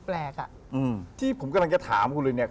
อืมที่ผมกำลังจะถามคุณเลย